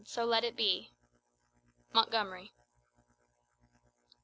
to let it be!" Montgomery.